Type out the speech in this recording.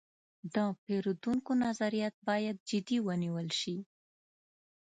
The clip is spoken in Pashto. د پیرودونکو نظریات باید جدي ونیول شي.